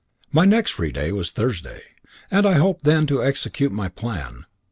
My next free day was Thursday, and I hoped then to execute my plan.